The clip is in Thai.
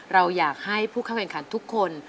เราอยากให้ผู้เข้าแข่งขันทุกคน